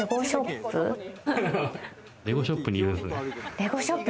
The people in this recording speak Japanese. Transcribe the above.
レゴショップ。